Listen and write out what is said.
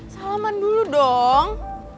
salaman dulu dong